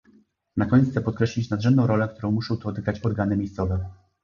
Na koniec chcę podkreślić nadrzędną rolę, którą muszą tu odegrać organy miejscowe